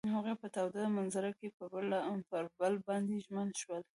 هغوی په تاوده منظر کې پر بل باندې ژمن شول.